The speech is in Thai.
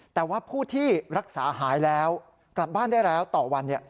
แต่ว่าผู้ที่รักษาหายแล้วกลับบ้านได้แล้วต่อวัน